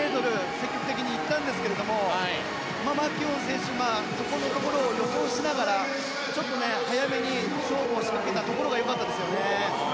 積極的に行ったんですがマキュオン選手そこのところを予想しながらちょっと早めに勝負を仕掛けたところがよかったですよね。